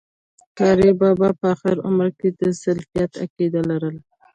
قاري بابا په آخري عمر کي د سلفيت عقيده لرله